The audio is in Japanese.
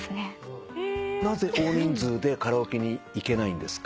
なぜ大人数でカラオケに行けないんですか？